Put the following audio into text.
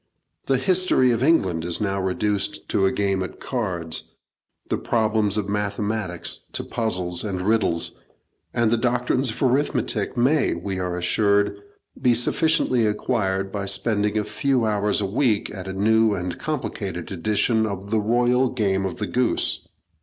The history of England is now reduced to a game at cards, the problems of mathematics to puzzles and riddles, and the doctrines of arithmetic may, we are assured, be sufficiently acquired by spending a few hours a week at a new and complicated edition of the Royal Game of the Goose.